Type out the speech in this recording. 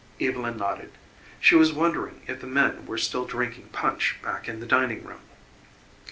Evylyn nodded. She was wondering if the men were still drinking punch back in the dining room.